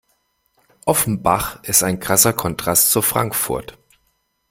Offenbach ist ein krasser Kontrast zu Frankfurt.